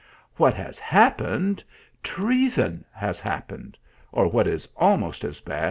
"What has happened ? treason has happened! or what is almost as bn.